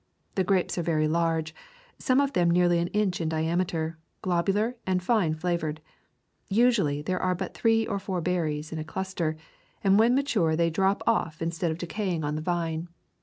The grapes are very large, some of them nearly an inch in diameter, globular and fine flavored. Usually there are but three or four berries in a cluster, and when mature they drop off instead of decaying on [ 48 ] River Country of Georgia the vine.